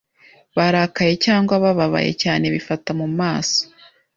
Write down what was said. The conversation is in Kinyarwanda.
barakaye cyangwa babaye cyane bifata mu maso,